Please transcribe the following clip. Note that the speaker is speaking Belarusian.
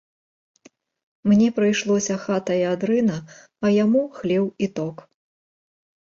Мне прыйшлося хата і адрына, а яму хлеў і ток.